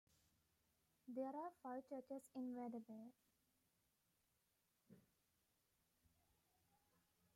There are five churches in Wetherby.